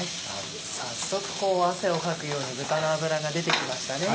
早速汗をかくように豚の脂が出てきましたね。